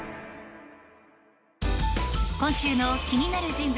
今週の気になる人物